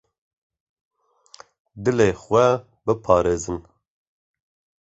Dilê xwe biparêzin.